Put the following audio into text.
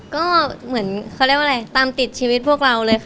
ก็เหมือนเขาเรียกว่าอะไรตามติดชีวิตพวกเราเลยค่ะ